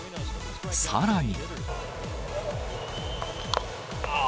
さらに。